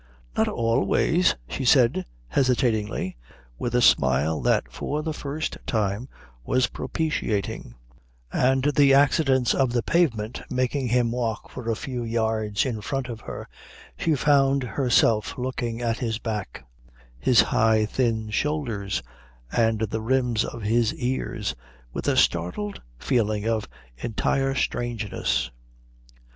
"Not always," she said hesitatingly, with a smile that for the first time was propitiating; and the accidents of the pavement making him walk for a few yards in front of her she found herself looking at his back, his high thin shoulders and the rims of his ears, with a startled feeling of entire strangeness.